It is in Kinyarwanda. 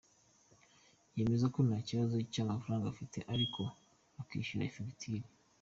Yemeza ko nta kibazo cy’ifaranga afite ariko ukishyura fagitire.